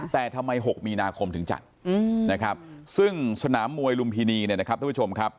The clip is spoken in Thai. แต่ทำไม๖มีนาคมถึงจัดนะครับซึ่งสนามมวยลุมพินีเนี่ยนะครับทุกผู้ชมครับ